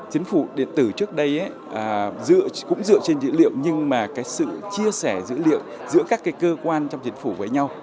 chính phủ điện tử trước đây cũng dựa trên dữ liệu nhưng mà cái sự chia sẻ dữ liệu giữa các cái cơ quan trong chính phủ với nhau